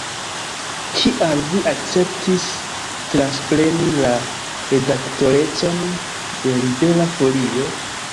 Kial vi akceptis transpreni la redaktorecon de Libera Folio?